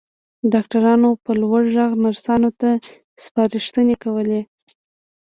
ډاکټرانو په لوړ غږ نرسانو ته سپارښتنې کولې.